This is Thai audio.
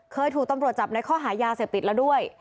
เคยถูกตำรวจจับในข้อหายาเสพติดแล้วด้วย